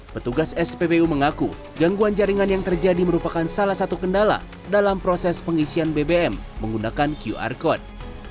petugas spbu mengaku gangguan jaringan yang terjadi merupakan salah satu kendala dalam proses pengisian bbm menggunakan qr code